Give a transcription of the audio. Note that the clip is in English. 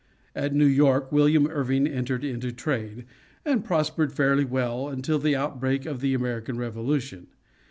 At New York William Irving entered into trade, and prospered fairly until the outbreak of the American Revolution.